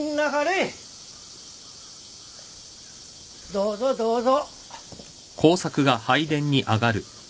どうぞどうぞ。